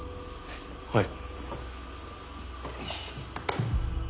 はい。